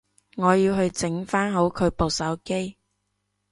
我要去整返好佢部手機